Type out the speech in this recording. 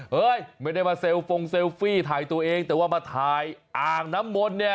เฮ้ยไม่ได้มาเซลฟงเซลฟี่ถ่ายตัวเองแต่ว่ามาถ่ายอ่างน้ำมนต์เนี่ย